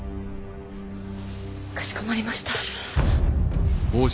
かしこまりました。